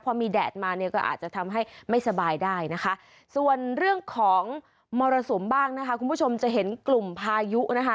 พอมีแดดมาเนี่ยก็อาจจะทำให้ไม่สบายได้นะคะส่วนเรื่องของมรสุมบ้างนะคะคุณผู้ชมจะเห็นกลุ่มพายุนะคะ